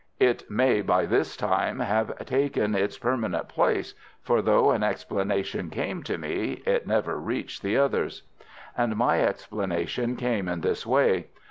It may by this time have taken its permanent place, for though an explanation came to me, it never reached the others. And my explanation came in this way.